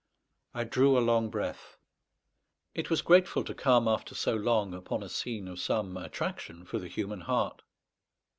I drew a long breath. It was grateful to come, after so long, upon a scene of some attraction for the human heart.